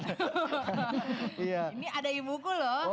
ini ada ibuku loh